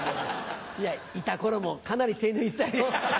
いやいた頃もかなり手抜いてたよ。